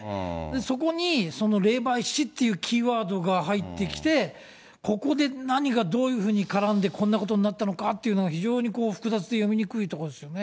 そこにその霊媒師っていうキーワードが入ってきて、ここで何がどういうふうに絡んでこんなことになったのかっていうのが、非常に複雑で読みにくいところですよね。